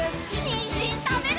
にんじんたべるよ！